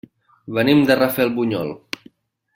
Venim de Rafelbunyol.